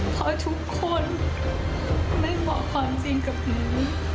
เพราะทุกคนไม่บอกความจริงกับหนู